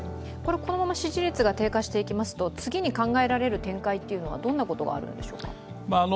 このまま支持率が低下していきますと次に考えられる展開っていうのはどのようなことがあるんでしょうか。